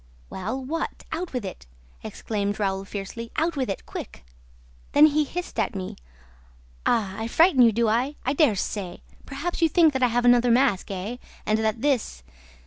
"Well, what? Out with it!" exclaimed Raoul fiercely. "Out with it, quick!" "Then he hissed at me. 'Ah, I frighten you, do I? ... I dare say! ... Perhaps you think that I have another mask, eh, and that this